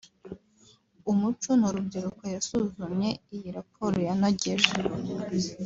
umuco n’urubyiruko yasuzumye iyi raporo yanogeje